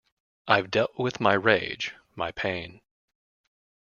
I've dealt with my rage, my pain...